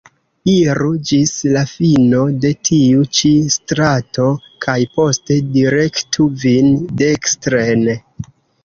Iru ĝis la fino de tiu ĉi strato kaj poste direktu vin dekstren.